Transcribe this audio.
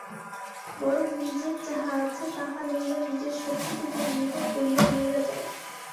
বরং নিজের যাহা আছে, তাহা লইয়া নিজের শক্তির উপর নির্ভর করিয়া মরিয়া যাও।